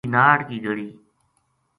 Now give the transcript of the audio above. نوری ناڑ کی گلی